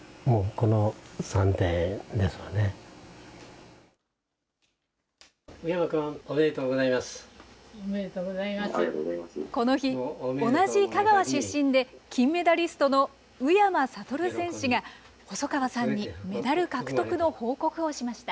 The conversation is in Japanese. この日、同じ香川出身で、金メダリストの宇山賢選手が、細川さんにメダル獲得の報告をしました。